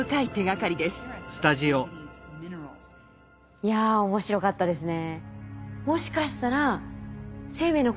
いや面白かったですね。